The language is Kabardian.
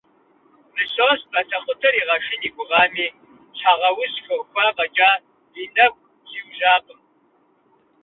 Мысост батэкъутэр игъэшын и гугъами, щхьэгъэуз хэхуа фӀэкӀа, и нэгу зиужьакъым.